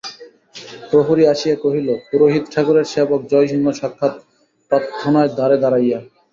প্রহরী আসিয়া কহিল, পুরোহিত ঠাকুরের সেবক জয়সিংহ সাক্ষাৎ-প্রার্থনায় দ্বারে দাঁড়াইয়া।